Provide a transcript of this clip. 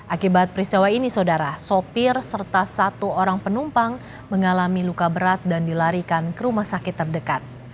akibat peristiwa ini saudara sopir serta satu orang penumpang mengalami luka berat dan dilarikan ke rumah sakit terdekat